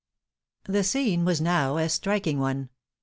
The scene was now a striking one.